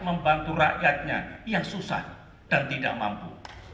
membantu rakyatnya yang susah dan tidak mampu